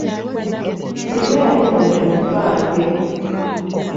Singa yali muntu nfa ffe.